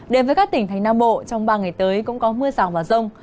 đến với các tỉnh thành nam bộ trong ba ngày tới cũng có mưa rào và rông